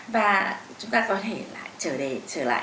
và chúng ta có thể trở lại